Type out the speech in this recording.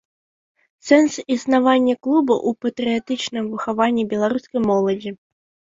Сэнс існавання клуба ў патрыятычным выхаванні беларускай моладзі.